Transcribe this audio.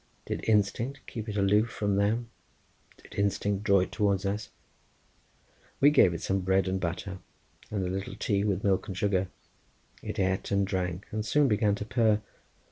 Did instinct keep it aloof from them? Did instinct draw it towards us? We gave it some bread and butter, and a little tea with milk and sugar. It ate and drank and soon began to purr.